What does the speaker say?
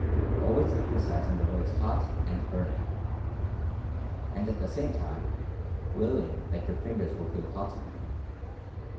(always empha sizing the words "hot" and "burning") and at the same time Willing that your fingers will feel hot to him.